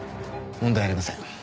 問題ありません。